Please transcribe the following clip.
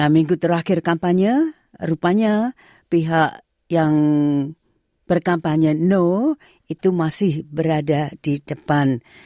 minggu terakhir kampanye rupanya pihak yang berkampanye no itu masih berada di depan